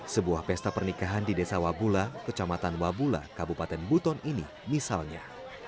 sebuah pesta pernikahan di desa wabula kecamatan wabula kabupaten buton ini misalnya